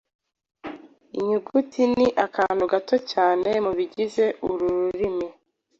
Inyuguti ni akantu gato cyane mu bigize uru rurimi.